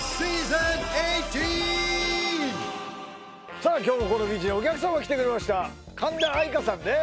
さあ今日もこのビーチにお客様来てくれました神田愛花さんです